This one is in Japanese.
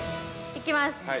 ◆行きます。